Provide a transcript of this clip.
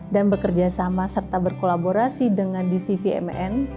dan bekerjasama serta berkolaborasi dengan dcvmn